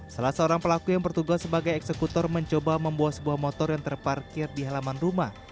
salah seorang pelaku yang bertugas sebagai eksekutor mencoba membawa sebuah motor yang terparkir di halaman rumah